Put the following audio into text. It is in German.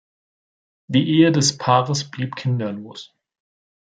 Die Ehe des Paares blieb kinderlos.